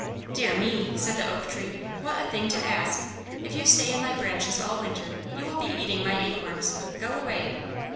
"Dear me," said the oak tree, "what a thing to ask! If you stay in my branches all winter you will be eating my acorns. Go away."